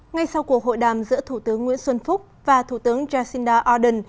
ngay sau cuộc hội đàm giữa thủ tướng nguyễn xuân phúc và thủ tướng jacinda ardern